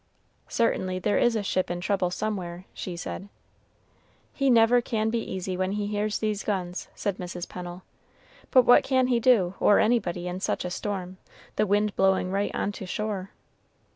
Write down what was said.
"Certainly there is a ship in trouble somewhere," she said. "He never can be easy when he hears these guns," said Mrs. Pennel; "but what can he do, or anybody, in such a storm, the wind blowing right on to shore?"